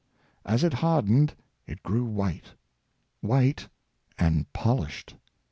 As it hardened it grew white — white and polished!